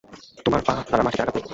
তোমার পা দ্বারা মাটিতে আঘাত কর।